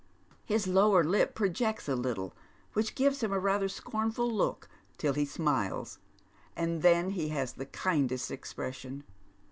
His lower lip projects a little, which gives him rather a scornful look till he smiles, and then he has the kindest expression.